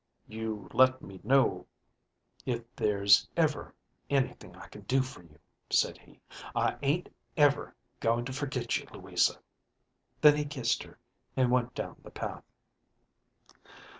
"You let me know if there's ever anything I can do for you," said he. "I ain't ever going to forget you, Louisa." Then he kissed her, and went down the path.